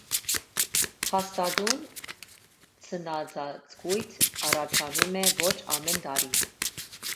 Հաստատուն ձնածածկույթ առաջանում է ոչ ամեն տարի։